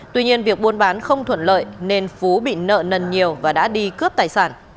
tuy nhiên việc buôn bán không thuận lợi nên phú bị nợ nần nhiều và đã đi cướp tài sản